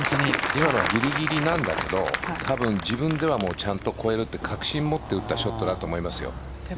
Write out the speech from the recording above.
今のはぎりぎりなんだけど自分ではちゃんと越えると確信をもって打ったショットだと思います。